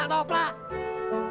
tidak ada yang bisa